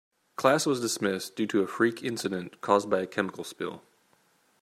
Class was dismissed due to a freak incident caused by a chemical spill.